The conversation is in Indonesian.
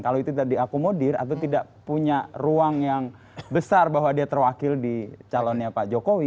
kalau itu tidak diakomodir atau tidak punya ruang yang besar bahwa dia terwakil di calonnya pak jokowi